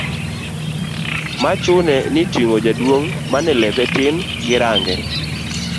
ma chune gi ting'o jaduong' mane lepe tin gi range